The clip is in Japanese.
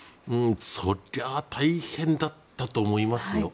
そりゃあ大変だったと思いますよ。